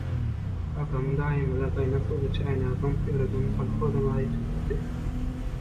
Kakamyň daýymyza gaýnag suwly çäýnegi zyňyp ýöreden kolhozam-a ýitip gitdi.